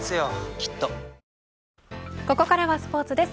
きっとここからスポーツです。